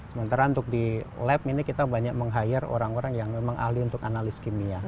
sementara untuk di lab ini kita banyak meng hire orang orang yang memang ahli untuk analis kimia